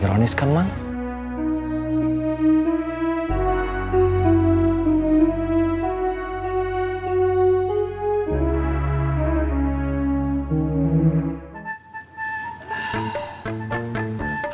ironis kan mak